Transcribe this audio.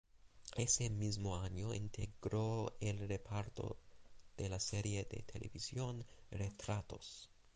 Ese mismo año integró el reparto de la serie de televisión "Retratos".